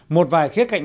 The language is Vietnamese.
một vài khía cạnh